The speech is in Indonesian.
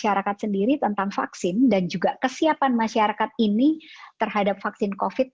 masyarakat sendiri tentang vaksin dan juga kesiapan masyarakat ini terhadap vaksin covid